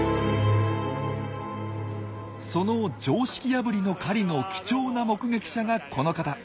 その常識破りの狩りの貴重な目撃者がこの方。